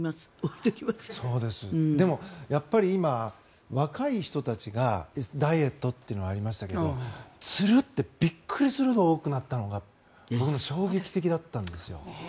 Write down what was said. でも今、若い人たちがダイエットというのもありましたけどつるって、びっくりするほど多くなったのが僕も衝撃的だったんです。